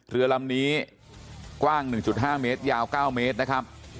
เรือลำนี้กว้างหนึ่งจุดห้าเมตรยาวเก้าเมตรนะครับ